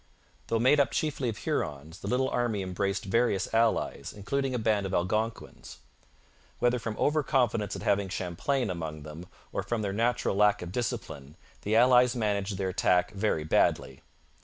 Though made up chiefly of Hurons, the little army embraced various allies, including a band of Algonquins. Whether from over confidence at having Champlain among them or from their natural lack of discipline, the allies managed their attack very badly.